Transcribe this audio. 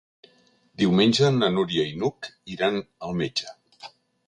Diumenge na Núria i n'Hug iran al metge.